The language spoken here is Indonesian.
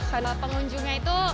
karena tangga kunjungnya itu